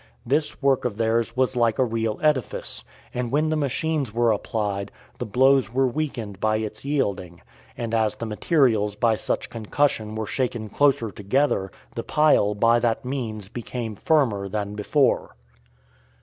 This work of theirs was like a real edifice; and when the machines were applied, the blows were weakened by its yielding; and as the materials by such concussion were shaken closer together, the pile by that means became firmer than before.